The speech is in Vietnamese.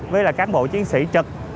với các bộ chiến sĩ trực